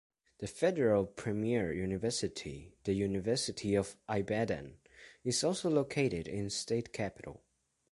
The federal premier university The University of Ibadan, is also located in State capital.